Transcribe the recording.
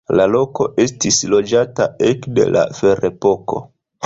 La loko estis loĝata ekde la ferepoko.